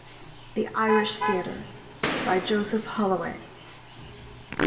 THE IRISH THEATRE By JOSEPH HOLLOWAY.